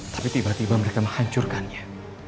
tapi tiba tiba mereka menghancurkannya